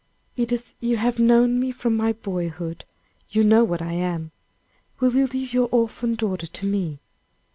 "Edith, you have known me from my boyhood. You know what I am. Will you leave your orphan daughter to me?